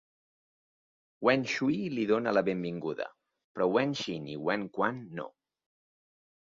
Wen Shui li dóna la benvinguda, però Wen Xin i Wen Quan no.